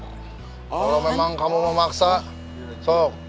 kalau memang kamu mau maksa sok